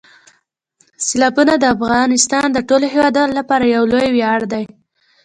سیلابونه د افغانستان د ټولو هیوادوالو لپاره یو لوی ویاړ دی.